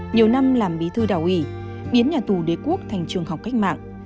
nhiều năm làm bí thư đảng ủy biến nhà tù đế quốc thành trường học cách mạng